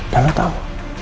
dan lo tau